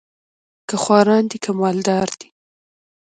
که خواران دي که مال دار دي